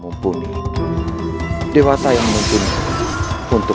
mana babi ngepet itu